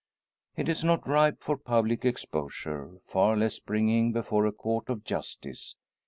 It is not ripe for public exposure, far less bringing before a court of justice.